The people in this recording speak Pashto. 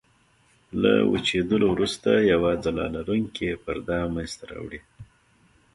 له وچېدلو وروسته یوه ځلا لرونکې پرده منځته راوړي.